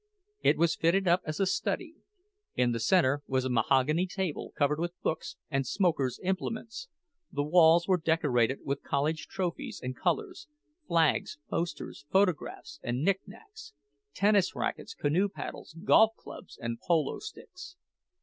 It was fitted up as a study. In the center was a mahogany table, covered with books, and smokers' implements; the walls were decorated with college trophies and colors—flags, posters, photographs and knickknacks—tennis rackets, canoe paddles, golf clubs, and polo sticks.